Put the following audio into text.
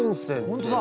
本当だ！